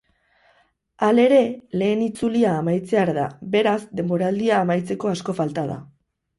Halere, lehen itzulia amaitzear da, beraz denboraldia amaitzeko asko falta da.